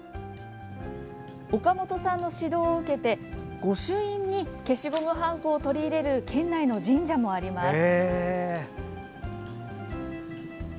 岡本さんの指導を受けて御朱印に消しゴムはんこを取り入れる県内の神社もあります。